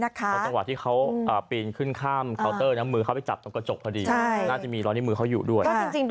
ตอนเว้าเขาขึ้นข้ามมือเขาเอาไปจับตรงตรงกระจกแล้วจะมีร้อนแบบนี้อยู่ด้วย